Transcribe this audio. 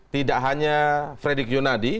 tidak hanya fredy kyunadi